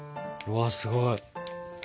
うわすごい。